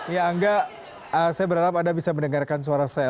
ya angga saya berharap anda bisa mendengarkan suara saya